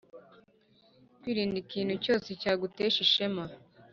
kwirinda ikintu cyose cyagutesha ishema